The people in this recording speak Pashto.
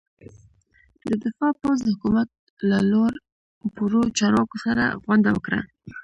د دفاع پوځ د حکومت له لوړ پوړو چارواکو سره غونډه وکړه.